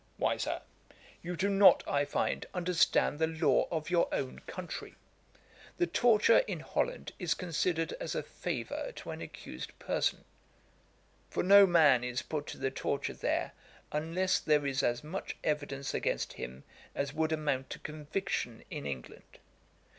'Why, Sir, you do not, I find, understand the law of your own country. The torture in Holland is considered as a favour to an accused person; for no man is put to the torture there, unless there is as much evidence against him as would amount to conviction in England.